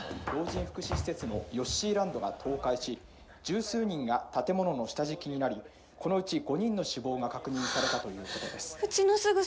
「老人福祉施設のヨッシーランドが倒壊し十数人が建物の下敷きになりこのうち５人の死亡が確認されたということです」。